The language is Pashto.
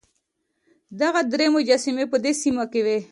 دغه درې مجسمې په دې سیمه کې وې.